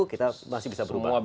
kita masih bisa berubah